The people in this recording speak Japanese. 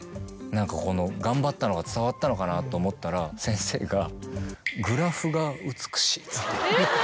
何かこの頑張ったのが伝わったのかなと思ったら先生が。